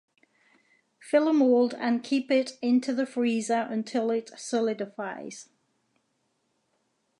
Fill a mold and keep it into the freezer until it solidifies.